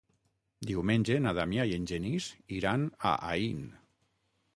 Diumenge na Damià i en Genís iran a Aín.